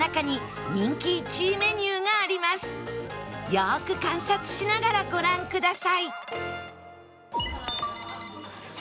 よく観察しながらご覧ください